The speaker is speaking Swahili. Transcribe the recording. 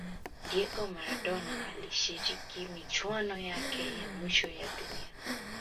diego maradona alishiriki michuano yake ya mwisho ya dunia